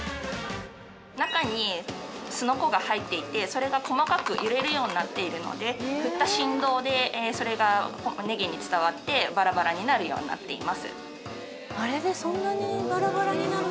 中にすのこが入っていてそれが細かく揺れるようになっているので振った振動でそれがねぎに伝わってバラバラになるようになっています。